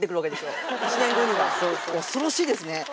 恐ろしいですね。